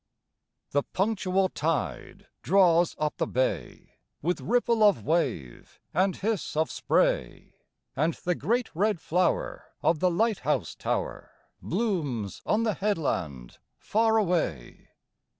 The punctual tide draws up the bay, With ripple of wave and hiss of spray, And the great red flower of the light house tower Blooms on the headland far away.